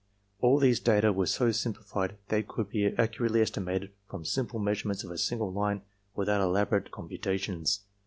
"All these data were so simplified that they could be ac curately estimated from simple measurements of a single line without elaborate computations.